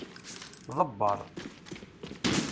Ḍebbeṛ.